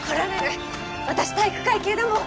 私体育会系だもん。